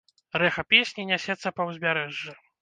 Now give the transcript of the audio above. Рэха песні нясецца па ўзбярэжжы.